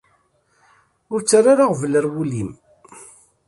Ur ttarra ara aɣbel ar wul-im.